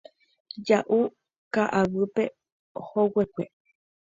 Ja'u ka'aguýpe hoguekue.